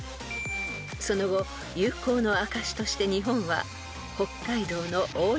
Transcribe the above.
［その後友好の証しとして日本は］